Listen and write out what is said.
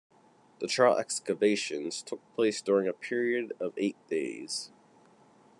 The trial excavations took place during a period of eight days.